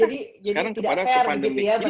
jadi tidak fair begitu ya menilai